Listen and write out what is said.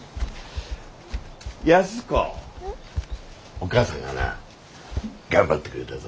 お母さんがな頑張ってくれたぞ。